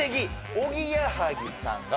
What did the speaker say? おぎやはぎさんが」